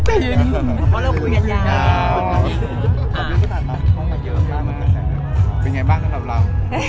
แม่ดใจยืน